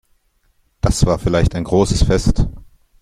Das war vielleicht ein großes Fest.